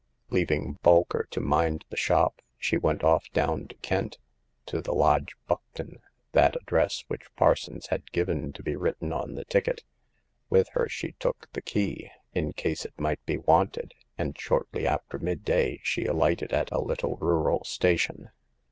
Leaving Bolker to mind the shop, she went off down to Kent— to the Lodge, Buckton, that address which Parsons had given to be written on the ticket. With her she took the key, in case it might be wanted, and shortly after midday she alighted at a little rural station.